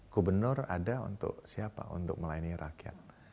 gubernur ada untuk siapa untuk melayani rakyat